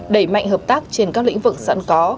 đẩy mạnh hợp tác trên các lĩnh vực sẵn có